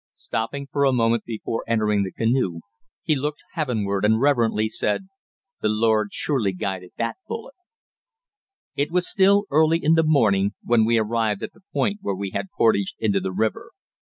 Stopping for a moment before entering the canoe, he looked heavenward and reverently said: "The Lord surely guided that bullet." It was still early in the morning when we arrived at the point where we had portaged into the river.